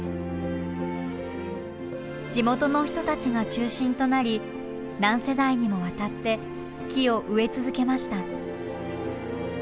地元の人たちが中心となり何世代にもわたって木を植え続けました。